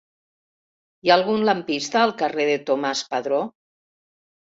Hi ha algun lampista al carrer de Tomàs Padró?